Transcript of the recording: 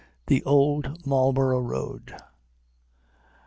THE OLD MARLBOROUGH ROAD.